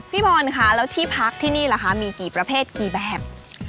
พี่บอลค่ะแล้วที่พักที่นี่ล่ะคะมีกี่ประเภทกี่แบบ